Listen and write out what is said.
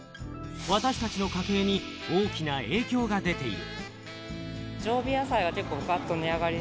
私たちの家計に大きな影響が出ている。